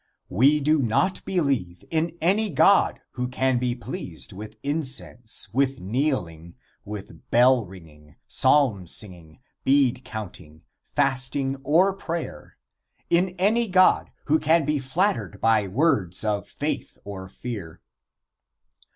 We do not believe in any God who can be pleased with incense, with kneeling, with bell ringing, psalm singing, bead counting, fasting or prayer in any God who can be flattered by words of faith or fear.